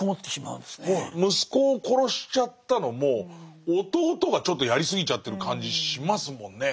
息子を殺しちゃったのも弟がちょっとやりすぎちゃってる感じしますもんね。